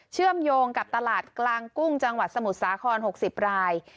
เชื่อมโยงกับตลาดกลางกุ้งจังหวัดสมุทรสาคร๖๐ราย